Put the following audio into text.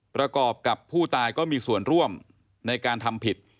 ประกอบกับผู้ตายก็มีส่วนร่วมในการทำผิด